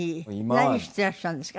何していらっしゃるんですか。